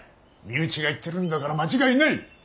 身内が言ってるんだから間違いない。